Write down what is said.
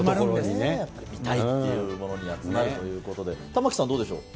見たいっていうものに集まるということで、玉城さん、どうでしょう。